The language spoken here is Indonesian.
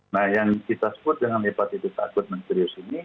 nah yang kita sebut dengan hepatitis agut mengerius ini